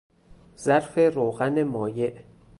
ظرف روغن مایع